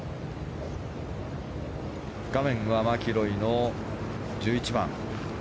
画面はマキロイの１１番。